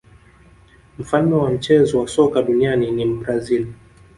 mfalme wa mchezo wa soka duniani ni mbrazil